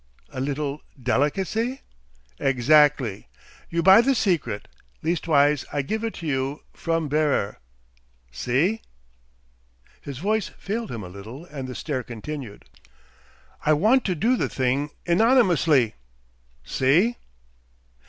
"A little delicacy?" "Exactly. You buy the secret leastways, I give it you from Bearer see?" His voice failed him a little, and the stare continued. "I want to do the thing Enonymously. See?"